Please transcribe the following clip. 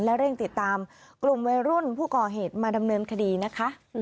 และเร่งติดตามกลุ่มวัยรุ่นผู้ก่อเหตุมาดำเนินคดีนะคะ